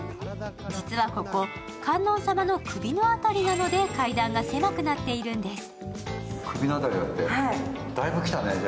実はここ、観音様の首の辺りなので階段が狭くなっているんです。